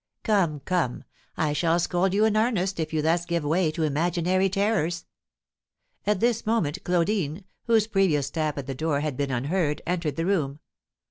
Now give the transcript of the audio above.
"Come! come! I shall scold you in earnest if you thus give way to imaginary terrors." At this moment Claudine, whose previous tap at the door had been unheard, entered the room.